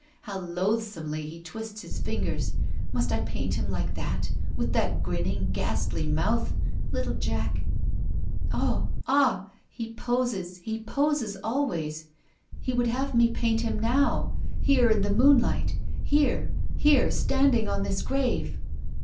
How loathsomely he twists his fingers ! Must I paint him like that — with that grinning, ghastly mouth — little Jack? Ah ! ah ! He poses — he poses always. I Ic would have me paint him now, — here in the moonlight — here — here — standing on this grave